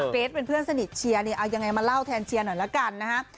เกรทเป็นเพื่อนสนิทเชียร์เนี่ยเอายังไงมาเล่าแทนเชียร์หน่อยละกันนะฮะ